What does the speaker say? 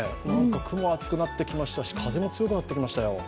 雲が厚くなってきましたし風も強くなってきましたよ。